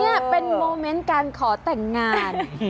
นี่เป็นโมเมนต์การขอแต่งงาน